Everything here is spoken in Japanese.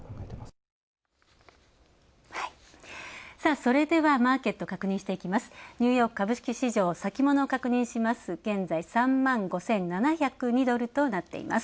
それではマーケット確認していきます。